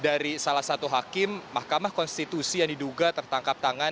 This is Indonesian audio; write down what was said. dari salah satu hakim mahkamah konstitusi yang diduga tertangkap tangan